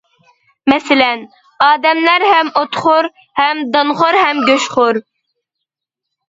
مەسىلەن: ئادەملەر ھەم ئوتخور ھەم دانخور ھەم گۆشخور.